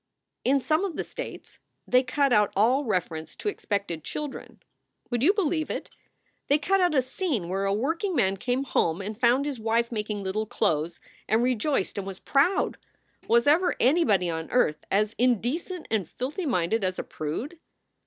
In some of the states they cut out all reference to expected children. Would you believe it? They cut out a scene where a workingman came home and found his wife making little clothes and rejoiced and was proud! Was ever any body on earth as indecent and filthy minded as a prude?